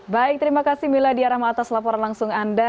baik terima kasih mila diarahma atas laporan langsung anda